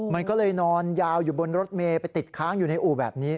มันก็เลยนอนยาวอยู่บนรถเมย์ไปติดค้างอยู่ในอู่แบบนี้